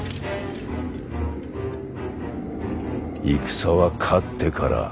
戦は勝ってから。